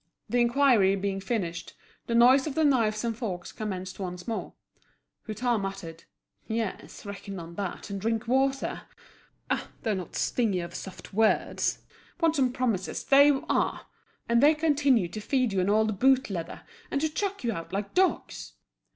The inquiry being finished, the noise of the knives and forks commenced once more. Hutin muttered "Yes, reckon on that, and drink water! Ah, they're not stingy of soft words. Want some promises, there you are! And they continue to feed you on old boot leather, and to chuck you out like dogs!"